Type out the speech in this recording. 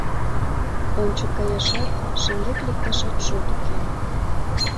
Ончык каяшат, шеҥгек лекташат шот уке.